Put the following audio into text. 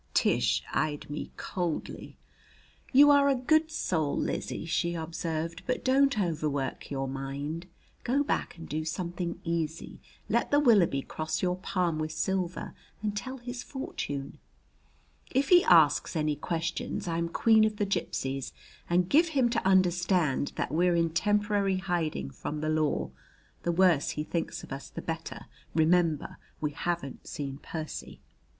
Tish eyed me coldly. "You are a good soul, Lizzie," she observed, "but don't overwork your mind. Go back and do something easy let the Willoughby cross your palm with silver, and tell his fortune. If he asks any questions I'm queen of the gypsies, and give him to understand that we're in temporary hiding from the law. The worse he thinks of us the better. Remember, we haven't seen Percy."